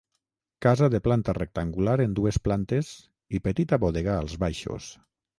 Casa de planta rectangular en dues plantes i petita bodega als baixos.